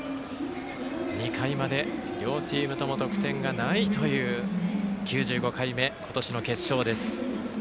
２回まで両チームとも得点がないという９５回目今年の決勝です。